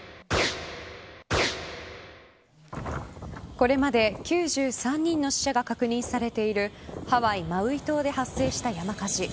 これまで９３人の死者が確認されているハワイ・マウイ島で発生した山火事。